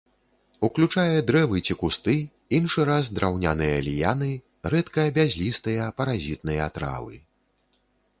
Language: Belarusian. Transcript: Уключае дрэвы ці кусты, іншы раз драўняныя ліяны, рэдка бязлістыя паразітныя травы.